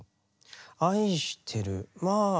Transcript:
愛してるまあ。